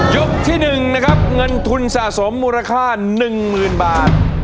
ที่๑นะครับเงินทุนสะสมมูลค่า๑๐๐๐บาท